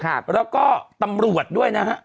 ถูกต้องถูกต้อง